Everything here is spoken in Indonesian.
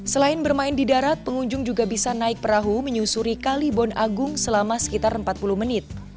selain bermain di darat pengunjung juga bisa naik perahu menyusuri kalibon agung selama sekitar empat puluh menit